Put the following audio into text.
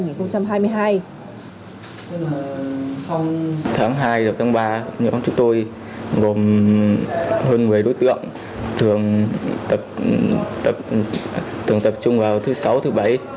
tháng hai tháng ba nhóm chúng tôi gồm hơn một mươi đối tượng thường tập trung vào thứ sáu thứ bảy